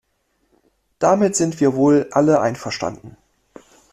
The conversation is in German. Damit sind wir wohl alle einverstanden.